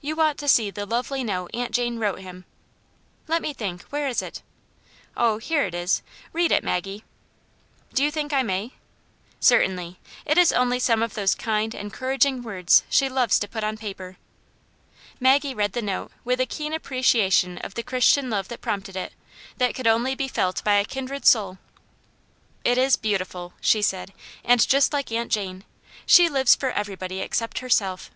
You ought to see the lovely note Aunt Jane wrote him. Let me think, where is it ? Oh, here it is; read it, Maggie." " Do you think I may ?"" Certainly. It is only some of those kind, en couraging words she loves to put on paper." Maggie read the note with a keen appreciation of the Christian love that prompted it, that could only be felt by a kindred soul. "It is beautiful," she said, "and just like Aunt Jane. She lives for everybody except herself.